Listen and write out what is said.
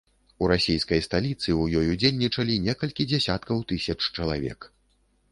У расійскай сталіцы ў ёй удзельнічалі некалькі дзесяткаў тысяч чалавек.